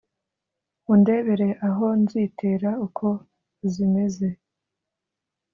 Undebera aho nzitera uko zimeze